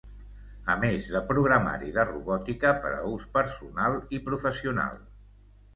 A més de programari de robòtica per a ús personal i professional.